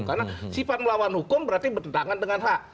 karena sifat melawan hukum berarti bertentangan dengan hak